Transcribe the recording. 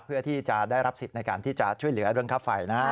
เพื่อที่จะได้รับสิทธิ์ในการที่จะช่วยเหลือเรื่องค่าไฟนะฮะ